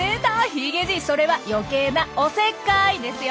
ヒゲじいそれは余計なおセッカいですよ。